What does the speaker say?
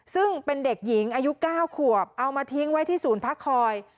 ซึ่งเป็นเด็กหญิงอายุ๙ขวบเอามาทิ้งไว้ที่ศูนย์พักคอย